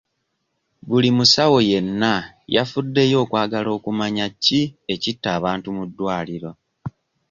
Buli musawo yenna yafuddeyo okwagala okumanya ki ekitta abantu mu ddwaliro?